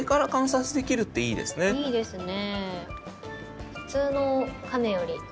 いいですね。